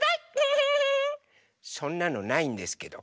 そんなのないんですけど。